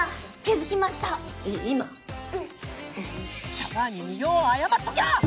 シャバーニによう謝っときゃ！